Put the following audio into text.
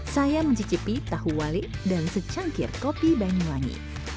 saya mencicipi tahu wali dan secangkir kopi banyuwangi